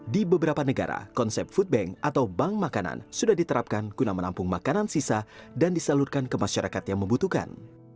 di beberapa negara konsep food bank atau bank makanan sudah diterapkan guna menampung makanan sisa dan disalurkan ke masyarakat yang membutuhkan